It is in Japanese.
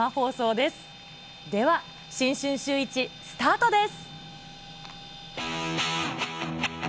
では新春シューイチ、スタートです。